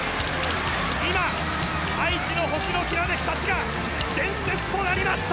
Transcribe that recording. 今愛知の星のきらめきたちが伝説となりました。